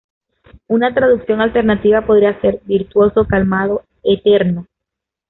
Una traducción alternativa podría ser: ‘virtuoso, calmado, eterno’.